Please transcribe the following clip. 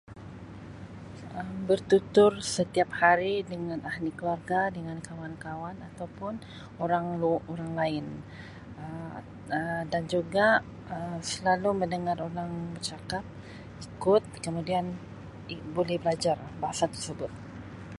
Um bertutur setiap hari dengan ahli keluarga dengan kawan-kawan atau pun orang lu-orang lain Um dan juga Um selalu mendengar orang bercakap, ikut, kemudian boleh belajar bahasa tersebut.